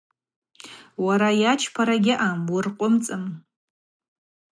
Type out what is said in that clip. Уара, йачпара гьаъам, уыркъвымцӏын.